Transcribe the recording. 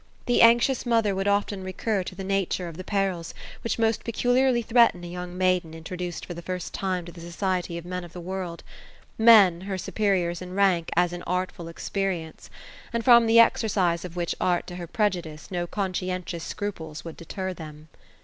The anxious mother would oAen recur to the nature of the perils which most peculiarly threaten a young maiden introduced for the first time to the society of men of the world ; men, her superiors in rank, as in artful experience ; and from the exercise of which art to her prejudice, no conscientious scruples would deter them.